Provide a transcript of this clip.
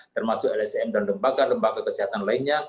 termasuk lsm dan lembaga lembaga kesehatan lainnya